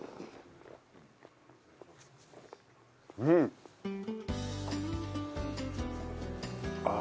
うん！ああ。